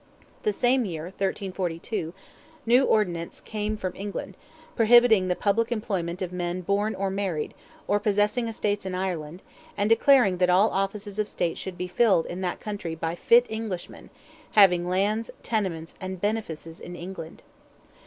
The same year, 1342, a new ordinance came from England, prohibiting the public employment of men born or married, or possessing estates in Ireland, and declaring that all offices of state should be filled in that country by "fit Englishmen, having lands, tenements, and benefices in England."